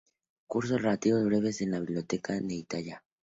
Concurso de Relatos Breves, en la biblioteca de Netanya.